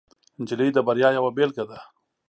نجلۍ د بریا یوه بیلګه ده.